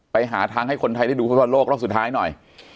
ไปหาทางให้คนไทยได้ดูฟุตบอลโลกรอบสุดท้ายหน่อย